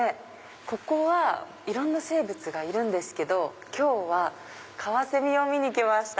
ここはいろんな生物がいるんですけど今日はカワセミを見に来ました。